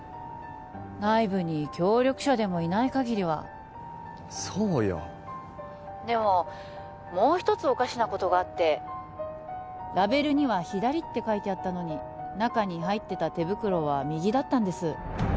内部に協力者でもいない限りはそうよ☎でももう一つおかしなことがあってラベルには「左」って書いてあったのに中に入ってた手袋は右だったんです